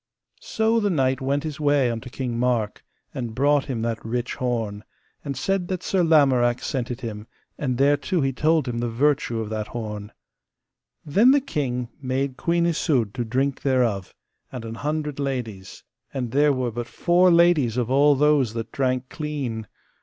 So the knight went his way unto King Mark, and brought him that rich horn, and said that Sir Lamorak sent it him, and thereto he told him the virtue of that horn. Then the king made Queen Isoud to drink thereof, and an hundred ladies, and there were but four ladies of all those that drank clean.